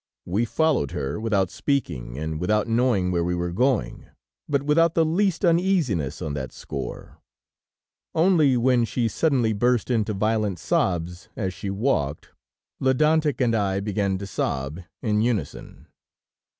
We followed her without speaking and without knowing where we were going, but without the least uneasiness on that score. Only, when she suddenly burst into violent sobs as she walked, Ledantec and I began to sob in unison.